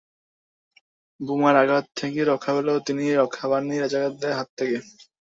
বোমার আঘাত থেকে রক্ষা পেলেও তিনি রক্ষা পাননি রাজাকারদের হাত থেকে।